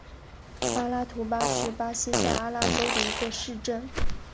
阿拉图巴是巴西塞阿拉州的一个市镇。